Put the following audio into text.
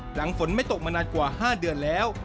หลังฝนไม่ตกมานานกว่า๕เดือนแล้ว